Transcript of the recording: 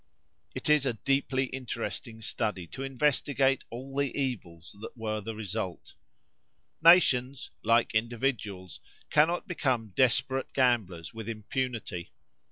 It is a deeply interesting study to investigate all the evils that were the result. Nations, like individuals, cannot become desperate gamblers with impunity.